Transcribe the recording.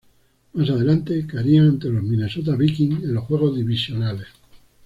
Más adelante, caerían ante los Minnesota Vikings en los juegos divisionales.